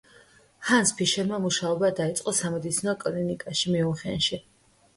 ჰანს ფიშერმა მუშაობა დაიწყო სამედიცინო კლინიკაში, მიუნხენში.